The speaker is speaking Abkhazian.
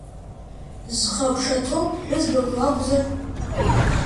Зхы аԥша ҭоу ԥҳәызбак лакәзар!